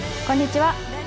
こんにちは。